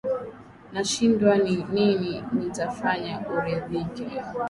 Nashindwa ni nini nitafanya uridhike